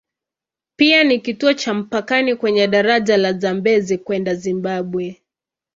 Pia ni kituo cha mpakani kwenye daraja la Zambezi kwenda Zimbabwe.